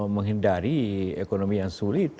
menghindari ekonomi yang sulit